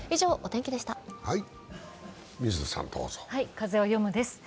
「風をよむ」です。